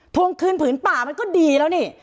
ทวงคืนผืนป่ามันก็ดีแล้วนี่